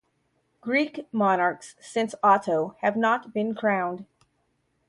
Greek monarchs since Otto had not been crowned.